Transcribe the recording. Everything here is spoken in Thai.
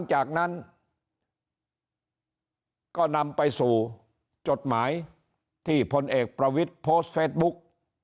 จากนั้นก็นำไปสู่จดหมายที่พลเอกประวิทย์โพสต์เฟซบุ๊ก